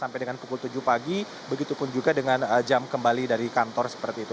sampai dengan pukul tujuh pagi begitu pun juga dengan jam kembali dari kantor seperti itu